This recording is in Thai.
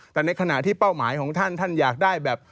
แต่ในขณะที่เป้าหมายของท่านท่านอยากได้แบบ